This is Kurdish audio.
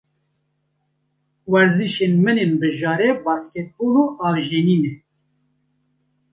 Werzişên min ên bijare basketbol û avjenî ne.